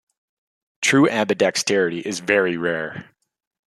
True ambidexterity is very rare.